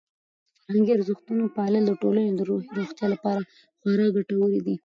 د فرهنګي ارزښتونو پالل د ټولنې د روحي روغتیا لپاره خورا ګټور دي.